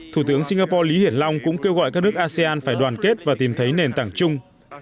thủ tướng singapore lý hiển long cũng kêu gọi các nước asean phải đoàn kết và tìm thấy nền tảng chung